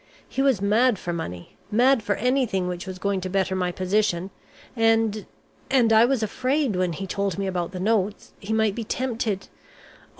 He was mad for money, mad for anything which was going to better my position. And and I was afraid when he told me about the notes, he might be tempted Oh!